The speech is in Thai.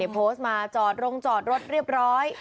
โพสต์มาจอดลงจอดรถเรียบร้อย